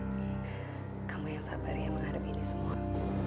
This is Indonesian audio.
tapi kamu yang sabar ya menghadapi ini semua